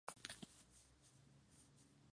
Comienza con los tema de riqueza y honor.